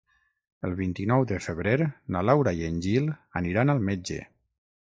El vint-i-nou de febrer na Laura i en Gil aniran al metge.